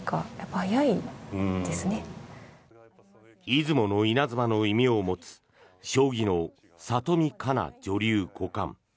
出雲のイナズマの異名を持つ将棋の里見香奈女流五冠。